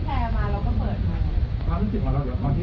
สิ่งที่เห็นเหมือนกันก็คือความหลักความสูงหลักของพี่